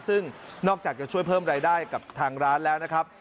ซึ่งนอกจากจะช่วยเพิ่มรายได้กับทางร้านแล้วนะครับ